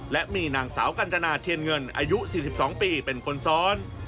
และมีนางสาวกัญจนาเทียนเงินอายุ๔๒ปีเป็นคนซ้อน